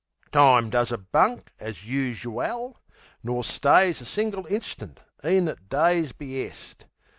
Time does a bunk as us u al, nor stays A single instant, e'en at Day's be'est.